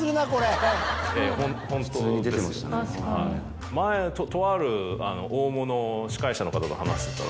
・確かに・前とある大物司会者の方と話してたら。